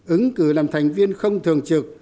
ứng cử làm thành viên không thường trực